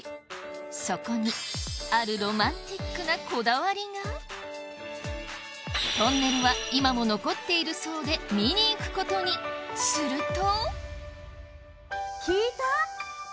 そこにあるロマンティックなこだわりがトンネルは今も残っているそうで見に行くことにすると！